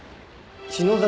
篠崎